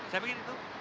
saya pikir itu